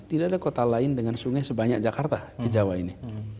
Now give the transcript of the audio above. tidak ada kota lain dengan sungai sebanyak jakarta di jawa ini